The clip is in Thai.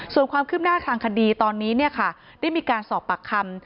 ส่วนความคืบหน้าทางคดีตอนนี้ได้มีการสอบปากคำ